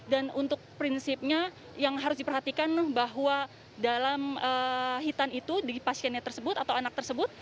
dan untuk prinsipnya yang harus diperhatikan bahwa dalam hitan itu di pasiennya tersebut atau anak tersebut